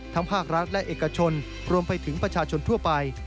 ภาครัฐและเอกชนรวมไปถึงประชาชนทั่วไป